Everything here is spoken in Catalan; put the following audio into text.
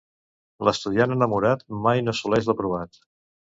L'estudiant enamorat mai no assoleix l'aprovat.